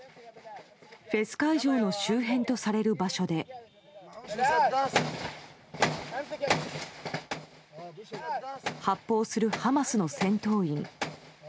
フェス会場の周辺とされる場所で発砲する、ハマスの戦闘員。